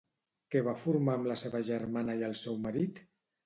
Què va formar amb la seva germana i el seu marit?